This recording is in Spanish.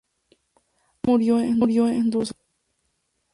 Reimann murió en Düsseldorf.